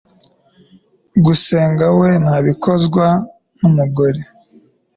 Gusenga we ntabikozwa ntumugore